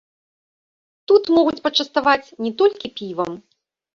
Тут могуць пачаставаць не толькі півам.